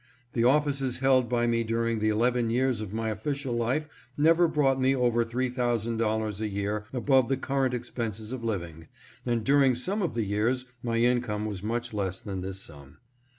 The offices held by me during the eleven years of my official life never brought me over three thou sand dollars a year above the current expenses of living, and during some of the years my income was much less than this sum.